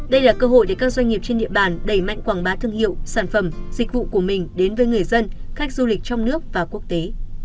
đây là cơ hội để các doanh nghiệp trên địa bàn đẩy mạnh quảng bá thương hiệu sản phẩm dịch vụ của mình đến với người dân khách du lịch trong nước và quốc tế